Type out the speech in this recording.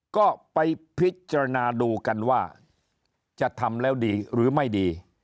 ก็ไปพิจารณาดูกันว่าจะทำแล้วดีหรือไม่ดี